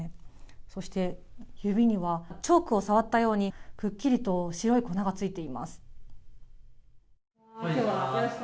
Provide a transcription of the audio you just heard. そして指にはチョークを触ったようにくっきりと白い粉がついています。